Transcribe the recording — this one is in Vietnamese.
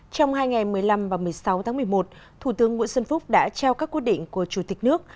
trong hai ngày một mươi năm và một mươi sáu tháng một mươi một thủ tướng nguyễn xuân phúc đã trao các quyết định của chủ tịch nước